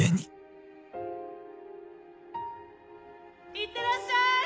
いってらっしゃい！